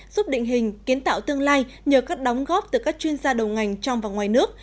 giúp định hình kiến tạo tương lai nhờ các đóng góp từ các chuyên gia đầu ngành trong và ngoài nước